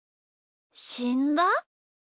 しんだ？